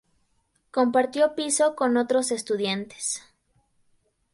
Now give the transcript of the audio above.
Compartió piso con otros estudiantes.